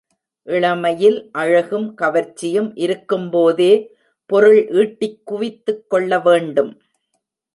இளமையில் அழகும் கவர்ச்சியும் இருக்கும்போதே பொருள் ஈட்டிக் குவித்துக் கொள்ள வேண்டும்.